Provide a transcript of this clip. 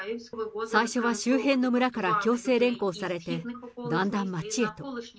最初は周辺の村から強制連行されて、だんだん街へと。